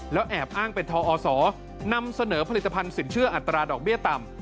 แล้วแอบอ้างเป็นทอศนำเสนอผลิตภัณฑ์สินเชื่ออัตราดอกเบี้ยต่ำ